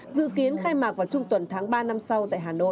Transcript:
dự kiến khai mạc vào trung tuần tháng ba năm sau tại hà nội